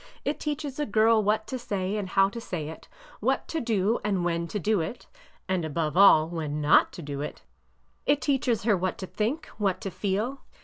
It teaches a girl what to say and how to say it ; what to do and when to do it (and, above all, when not to do it) ; it teaches her what to think, what to feel.